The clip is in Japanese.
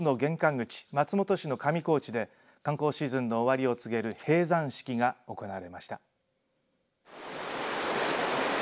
口松本市の上高地で観光シーズンの終わりを告げる閉山式が行われました。